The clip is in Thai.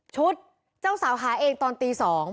เจ้าสาวหาเองตอนตี๒